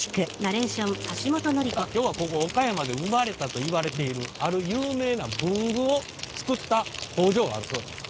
さあ今日はここ岡山で生まれたといわれているある有名な文具を作った工場があるそうなんです。